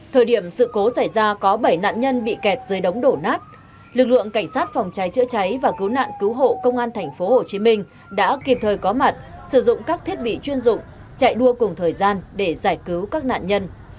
thời điểm sự cố xảy ra có bảy nạn nhân bị kẹt dưới đống đổ nát lực lượng cảnh sát phòng cháy chữa cháy và cứu nạn cứu hộ công an tp hcm đã kịp thời có mặt sử dụng các thiết bị chuyên dụng chạy đua cùng thời gian để giải cứu các nạn nhân